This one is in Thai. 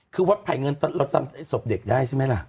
คือวัดไผ่เงินเราจำศพเด็กได้ใช่ไหมล่ะ